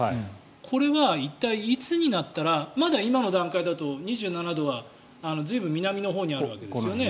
これは一体いつになったらまだ今の段階だと２７度は、随分南のほうにあるわけですよね。